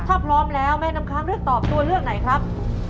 ถ้าพร้อมแล้วแม่น้ำค้างเลือกตอบตัวเลือกไหนครับ